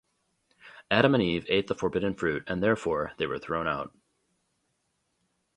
Adam and Eve ate the forbidden fruit and therefore, they were thrown out.